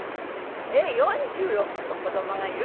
えっ４６の子供がいる？